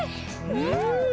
うん！